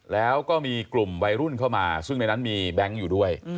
แล้วก็มีกลุ่มวัยรุ่นเข้ามาซึ่งในนั้นมีแบงค์อยู่ด้วย